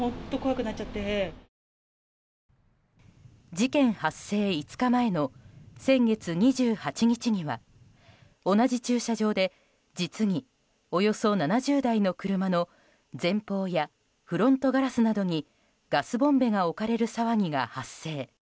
事件発生５日前の先月２８日には同じ駐車場で実におよそ７０台の車の前方やフロントガラスなどにガスボンベが置かれる騒ぎが発生。